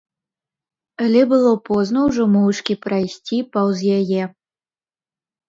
Але было позна ўжо моўчкі прайсці паўз яе.